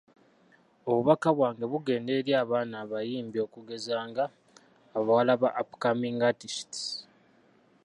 Obubaka bwange bugenda eri abaana abayimbi okugeza nga, abawala ba ‘upcoming artistes’.